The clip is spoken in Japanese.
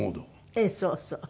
ええそうそう。